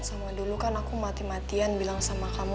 sama dulu kan aku mati matian bilang sama kamu